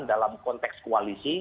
dalam konteks koalisi